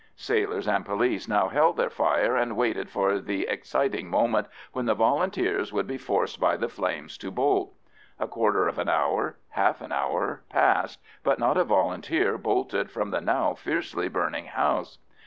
Sailors and police now held their fire, and waited for the exciting moment when the Volunteers would be forced by the flames to bolt. A quarter of an hour, half an hour passed, but not a Volunteer bolted from the now fiercely burning house.